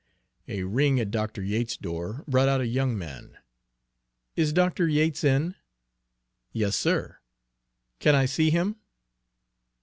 A ring at Dr. Yates's door brought out a young man. "Is Dr. Yates in?" "Yes, sir." "Can I see him?"